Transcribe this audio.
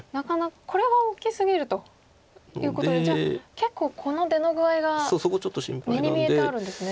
これは大きすぎるということでじゃあ結構この出の具合が目に見えてあるんですね。